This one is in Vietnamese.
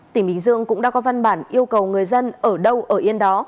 tỉnh bình dương cũng đã có văn bản yêu cầu người dân ở đâu ở yên đó